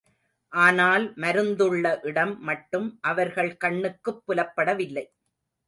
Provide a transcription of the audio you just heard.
ஆனால் மருந்துள்ள இடம் மட்டும் அவர்கள் கண்ணுக்குப் புலப்படவில்லை.